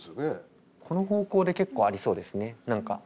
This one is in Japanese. この方向で結構ありそうですね何か。